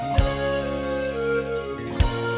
เปลี่ยนเพลงเก่งของคุณและข้ามผิดได้๑คำ